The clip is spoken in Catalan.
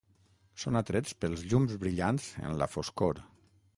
Són atrets pels llums brillants en la foscor.